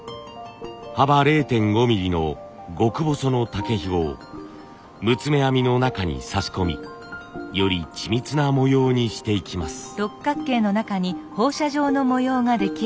幅０．５ミリの極細の竹ひごを六つ目編みの中に差し込みより緻密な模様にしていきます。